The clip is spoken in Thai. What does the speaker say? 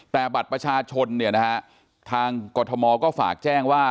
แต่บัตรประชาชนเนี่ยนะฮะทางกรทมก็ฝากแจ้งว่า